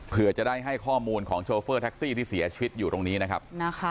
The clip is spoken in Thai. เพื่อจะได้ให้ข้อมูลของโชเฟอร์แท็กซี่ที่เสียชีวิตอยู่ตรงนี้นะครับ